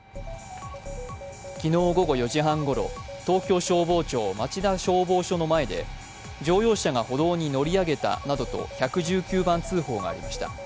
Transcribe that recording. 昨日午後４時半ごろ、東京消防庁町田消防署の前で乗用車が歩道に乗り上げたなどと１１９番通報がありました。